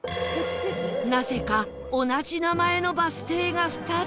なぜか同じ名前のバス停が２つ